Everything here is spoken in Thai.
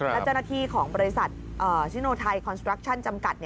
และเจ้าหน้าที่ของบริษัทชิโนไทยคอนสตรักชั่นจำกัด